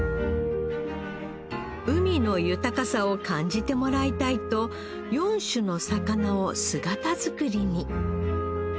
海の豊かさを感じてもらいたいと４種の魚を姿造りに